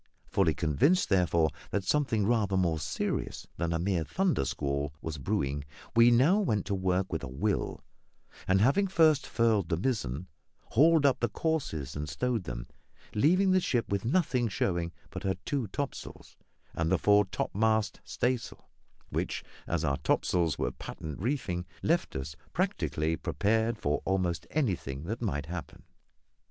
Fully convinced, therefore, that something rather more serious than a mere thunder squall was brewing, we now went to work with a will, and, having first furled the mizzen, hauled up the courses and stowed them, leaving the ship with nothing showing but her two topsails and the fore topmast staysail, which as our topsails were patent reefing left us practically prepared for almost anything that might happen.